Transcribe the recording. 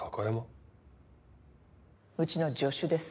うちの助手です。